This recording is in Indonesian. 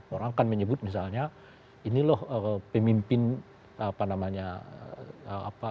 orang akan menyebut misalnya ini loh pemimpin apa namanya